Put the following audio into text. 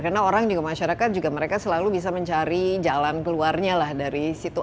karena orang juga masyarakat juga mereka selalu bisa mencari jalan keluarnya lah dari situ